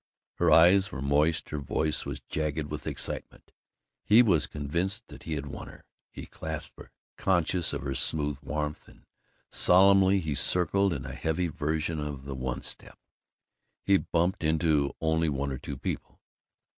Her eyes were moist, her voice was jagged with excitement. He was convinced that he had won her. He clasped her, conscious of her smooth warmth, and solemnly he circled in a heavy version of the one step. He bumped into only one or two people.